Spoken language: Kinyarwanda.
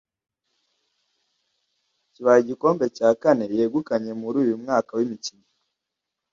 kibaye igikombe cya kane yegukanye muri uyu mwaka w’imikino